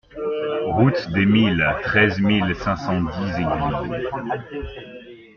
Route des Milles, treize mille cinq cent dix Éguilles